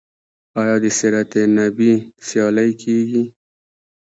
آیا د سیرت النبی سیالۍ کیږي؟